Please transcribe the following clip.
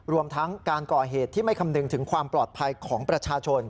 รวมทั้งการก่อเหตุที่ไม่คำนึงถึงความปลอดภัยของประชาชน